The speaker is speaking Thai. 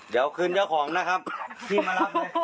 เดี๋ยวขึ้นเยอะของนะครับทีมมารับเลย